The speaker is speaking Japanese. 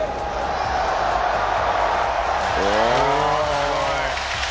すごい！